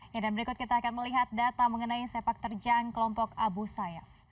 dan berikut kita akan melihat data mengenai sepak terjang kelompok abu sayyaf